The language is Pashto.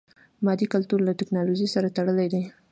مادي کلتور له ټکنالوژي سره تړلی دی.